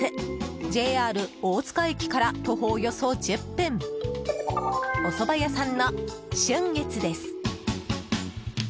ＪＲ大塚駅から徒歩およそ１０分おそば屋さんの春月です。